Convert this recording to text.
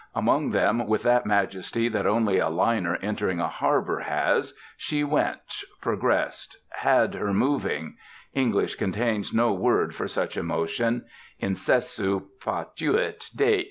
Among them, with that majesty that only a liner entering a harbour has, she went, progressed, had her moving English contains no word for such a motion "incessu patuit dea."